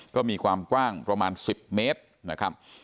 ก็มีความกว้างประมาณ๑๐เมตรนะครับ